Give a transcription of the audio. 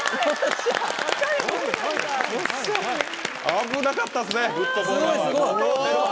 危なかったですね。